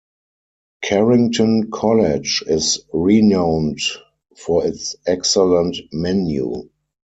Carrington College is renowned for its excellent menu.